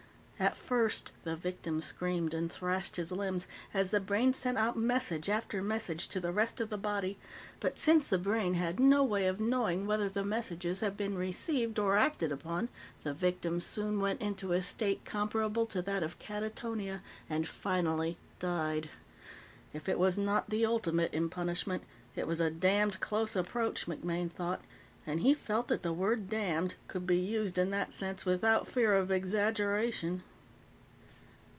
At first, the victim screamed and thrashed his limbs as the brain sent out message after message to the rest of the body, but since the brain had no way of knowing whether the messages had been received or acted upon, the victim soon went into a state comparable to that of catatonia and finally died. If it was not the ultimate in punishment, it was a damned close approach, MacMaine thought. And he felt that the word "damned" could be used in that sense without fear of exaggeration.